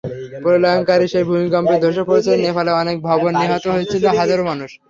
প্রলয়ংকরী সেই ভূমিকম্পে ধসে পড়েছিল নেপালের অনেক ভবন, নিহত হয়েছিল হাজারো মানুষ।